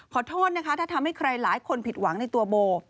ขอโทษนะคะถ้าทำให้ใครหลายคนผิดหวังในตัวโบ